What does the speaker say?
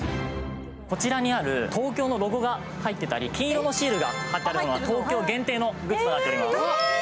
こちらにある東京のロゴが入っていたり金色のシールが貼ってあるものはＴＯＫＹＯ限定のグッズになっています